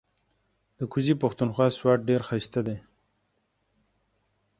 ده کوزی پښتونخوا سوات ډیر هائسته دې